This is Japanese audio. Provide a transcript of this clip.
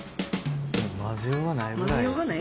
まぜようがないぐらい。